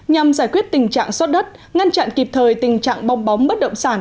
nhằm giải quyết tình trạng xót đất ngăn chặn kịp thời tình trạng bong bóng bất động sản